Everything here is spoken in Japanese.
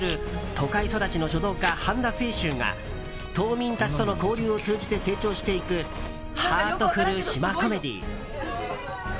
都会育ちの書道家・半田清舟が島民たちとの交流を通じて成長していくハートフル島コメディー。